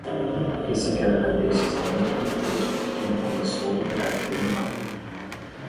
Esse quebra-cabeça está muito confuso e quem o começou terá que terminá-lo